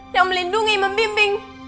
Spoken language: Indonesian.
yang melindungi membimbing